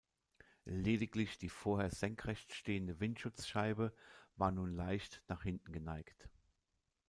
Lediglich die vorher senkrecht stehende Windschutzscheibe war nun leicht nach hinten geneigt.